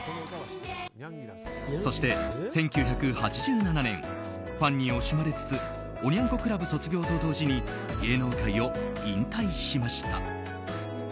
そして、１９８７年ファンに惜しまれつつおニャン子クラブ卒業と同時に芸能界を引退しました。